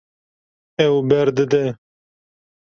Ew berdide.